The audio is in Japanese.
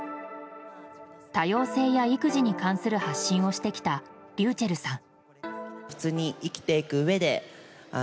多様性や育児に関する発信をしてきたｒｙｕｃｈｅｌｌさん。